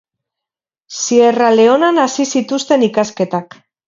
Sierra Leonan hasi zituen ikasketak.